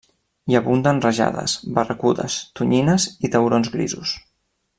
Hi abunden rajades, barracudes, tonyines i taurons grisos.